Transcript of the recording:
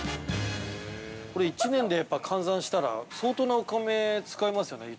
◆これ１年でやっぱり換算したら、相当なお米を使いますよね。